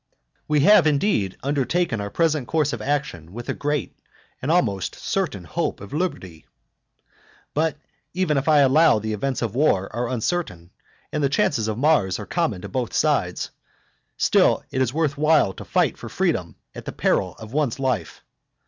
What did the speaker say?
X. We have, indeed, undertaken our present course of action with a great and almost certain hope of liberty. But even if I allow that the events of war are uncertain, and that the chances of Mars are common to both sides, still it is worth while to fight for freedom at the peril of one's life.